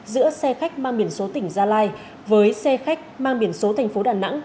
giữa xe khách mang biển số tỉnh gia lai với xe khách mang biển số thành phố đà nẵng